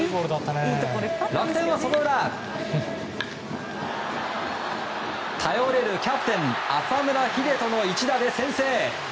楽天は、その裏頼れるキャプテン、浅村栄斗の一打で先制。